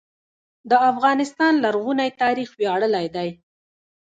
د افغانستان لرغونی تاریخ ویاړلی دی